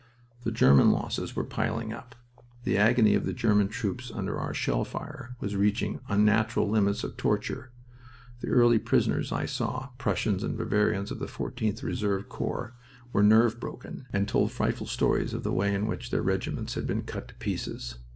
The German losses were piling up. The agony of the German troops under our shell fire was reaching unnatural limits of torture. The early prisoners I saw Prussians and Bavarians of the 14th Reserve Corps were nerve broken, and told frightful stories of the way in which their regiments had been cut to pieces.